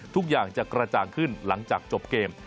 ทุกอย่างจะกระจ่างขึ้นหลังจากจบเกม